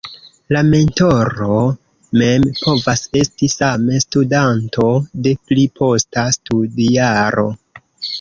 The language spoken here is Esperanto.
La mentoro mem povas esti same studanto, de pli posta studjaro.